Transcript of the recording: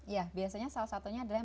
ya biasanya salah satunya adalah